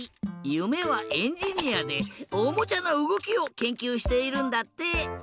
ゆめはエンジニアでおもちゃのうごきをけんきゅうしているんだって！